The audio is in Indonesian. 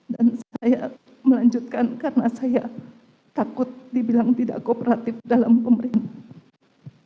dan saya melanjutkan karena saya takut dibilang tidak kooperatif dalam pemerintah